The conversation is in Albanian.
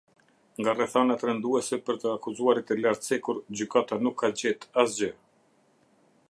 Nga rrethanat rënduese për të akuzuarit e lartcekur gjykata nuk ka gjet asgjë.